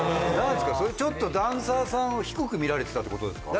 ちょっとダンサーさんは低く見られてたってことですか？